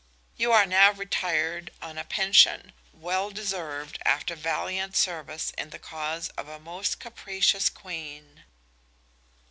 You are now retired on a pension, well deserved after valiant service in the cause of a most capricious queen."